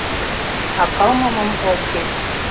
А кылмымым ок шиж.